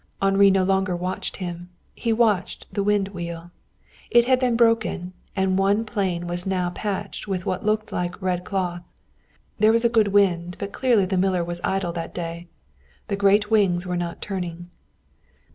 Henri no longed watched him, He watched the wind wheel. It had been broken, and one plane was now patched with what looked like a red cloth. There was a good wind, but clearly the miller was idle that day. The great wings were not turning.